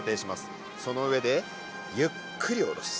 その上でゆっくり下ろす。